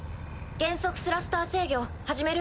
減速スラスター制御始める？